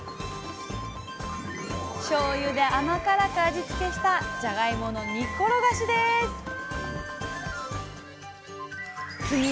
しょうゆで甘辛く味付けした「じゃがいもの煮っころがし」ですいやすごい。